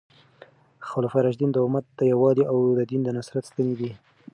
خلفای راشدین د امت د یووالي او د دین د نصرت ستنې دي.